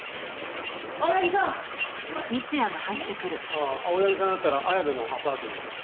ああ青柳さんだったら綾部のアパートにいる。